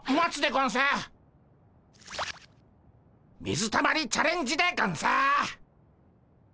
水たまりチャレンジでゴンス。